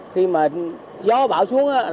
khi mà gió bão xuống